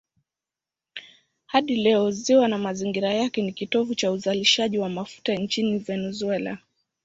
Hadi leo ziwa na mazingira yake ni kitovu cha uzalishaji wa mafuta nchini Venezuela.